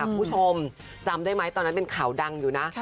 คุณผู้ชมจำได้ไหมตอนนั้นเป็นข่าวดังอยู่นะ